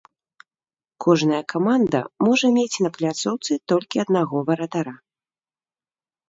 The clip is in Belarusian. Кожная каманда можа мець на пляцоўцы толькі аднаго варатара.